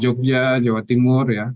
jogja jawa timur ya